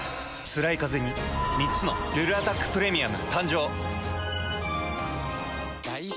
つらいカゼに３つの「ルルアタックプレミアム」誕生。